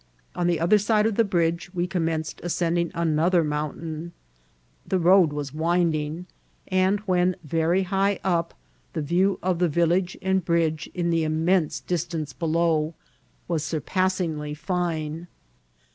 On the other side of the bridge we commenced ascending another mountain* The road was winding, and, when very high up, the view of the village and bridge at the inmiense distance below was surpassingly fine.